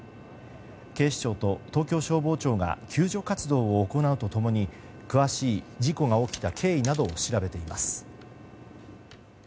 警視庁と東京消防庁が救助活動を行うと共に詳しい事故が起きた経緯などを調べています。